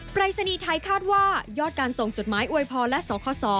ปรายศนีย์ไทยคาดว่ายอดการส่งจดหมายอวยพรและสคศ